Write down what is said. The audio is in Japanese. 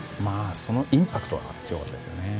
そのインパクトが強かったですよね。